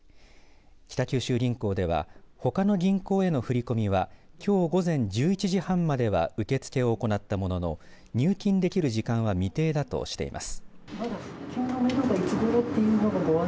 北九州銀行ではほかの銀行への振り込みはきょう午前１１時半までは受け付けを行ったものの入金できる時間は未定だとしています。